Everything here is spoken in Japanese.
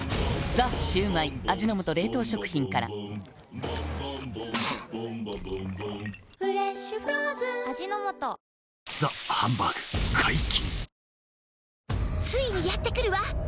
「ザ★シュウマイ」味の素冷凍食品から「ザ★ハンバーグ」解禁